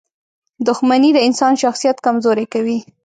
• دښمني د انسان شخصیت کمزوری کوي.